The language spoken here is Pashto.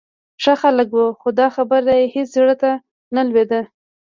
ښه خلک و، خو دا خبره یې هېڅ زړه ته نه لوېده.